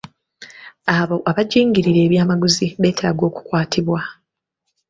Abo abajingirira ebyamaguzi beetaaga okukwatibwa.